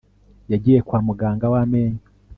yagiye kwa muganga w'amenyo